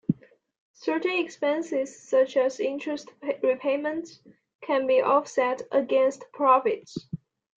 Certain expenses such as interest repayments can be offset against profits.